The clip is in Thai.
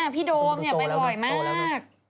พี่โดมเนี่ยไปบ่อยมาก